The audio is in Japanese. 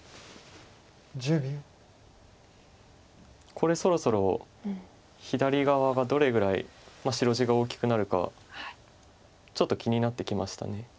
これそろそろ左側がどれぐらい白地が大きくなるかちょっと気になってきました。